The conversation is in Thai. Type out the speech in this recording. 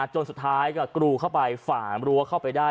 จนสุดท้ายก็กรูเข้าไปฝ่ามรั้วเข้าไปได้